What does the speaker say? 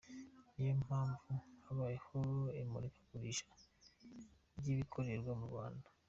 Niyo mpamvu habeyeho imurikagurisha ry’ibikorerwa mu Rwanda ”.